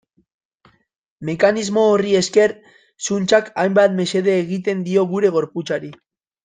Mekanismo horri esker, zuntzak hainbat mesede egiten dio gure gorputzari.